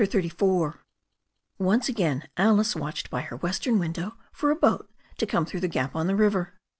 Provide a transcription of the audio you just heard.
CHAPTER XXXIV ONCE again Alice watched by her western window for a boat to come through the gap on the river.